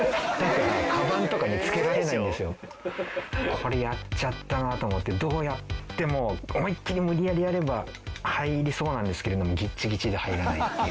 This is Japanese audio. これやっちゃったなと思ってどうやっても思いっきり無理やりやれば入りそうなんですけれどもギッチギチで入らないっていう。